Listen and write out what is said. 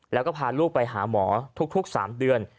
แล้วก็พาลูกไปหาหมอทุก๓เดือน